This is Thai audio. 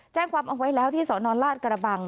แจ้งความเอาไว้แล้วที่สนราชกระบัง